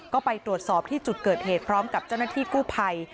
ก็ไปตรวจสอบที่จุดเกิดเหตุพร้อมกับเจ้าหน้าที่กู้ภัย